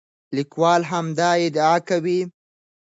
لیکوال همدا دعا کوي.